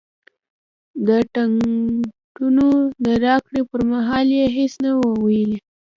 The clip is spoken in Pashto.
د ټکټونو د راکړې پر مهال یې هېڅ نه وو ویلي.